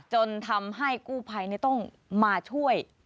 จนทำให้กู้ภัยต้องมาช่วย